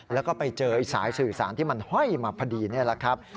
แล้วก็ไปเจอสายสื่อสารที่มันห้อยมาพอดีนี่แหละครับ